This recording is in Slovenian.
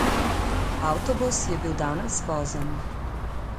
Avtobus je bil danes pozen.